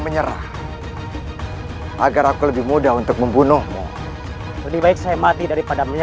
menemujukkan organ banyak t rarely